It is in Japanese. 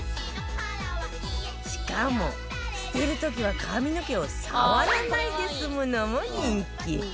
しかも捨てる時は髪の毛を触らないで済むのも人気